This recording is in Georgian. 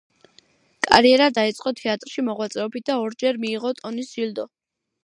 კარიერა დაიწყო თეატრში მოღვაწეობით და ორჯერ მიიღო ტონის ჯილდო.